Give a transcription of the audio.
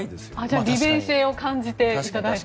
じゃあ利便性を感じていただいて。